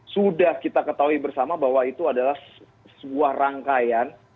sudah kita ketahui bersama bahwa itu adalah sebuah rangkaian